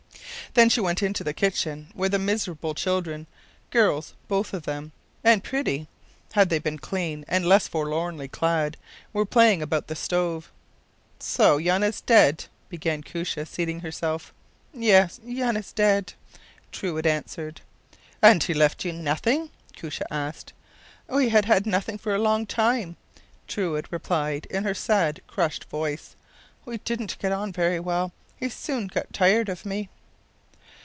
” Then she went into the kitchen, where the miserable children girls both of them, and pretty had they been clean and less forlornly clad were playing about the stove. “So Jan is dead,” began Koosje, seating herself. “Yes, Jan is dead,” Truide answered. “And he left you nothing?” Koosje asked. “We had had nothing for a long time,” Truide replied, in her sad, crushed voice. “We didn’t get on very well; he soon got tired of me.